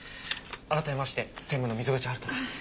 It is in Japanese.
改めまして専務の溝口晴翔です。